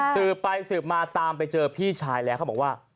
สืบไปสืบมาตามไปเจอพี่ชายแล้วเขาบอกว่า